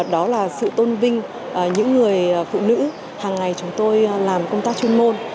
đó là sự tôn vinh những người phụ nữ hàng ngày chúng tôi làm công tác chuyên môn